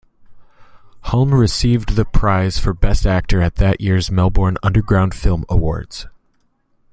Hulme received the prize for best actor at that year's Melbourne Underground Film Awards.